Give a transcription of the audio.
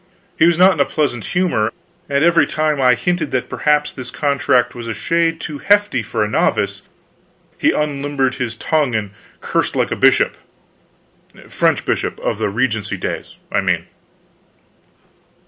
He was not in a pleasant humor; and every time I hinted that perhaps this contract was a shade too hefty for a novice he unlimbered his tongue and cursed like a bishop French bishop of the Regency days, I mean.